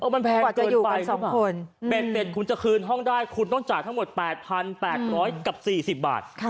มันแพงเกินไปเป็นเต็ดคุณจะคืนห้องได้คุณต้องจากทั้งหมด๘๘๔๐บาท